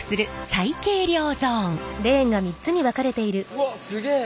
うわすげえ！